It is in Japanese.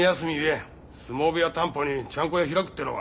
相撲部屋担保にちゃんこ屋開くってのか。